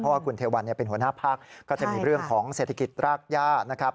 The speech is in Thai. เพราะว่าคุณเทวันเป็นหัวหน้าพักก็จะมีเรื่องของเศรษฐกิจรากย่านะครับ